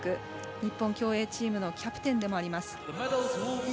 日本競泳チームのキャプテンでもあります。